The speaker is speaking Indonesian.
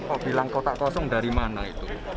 kok bilang kota kosong dari mana itu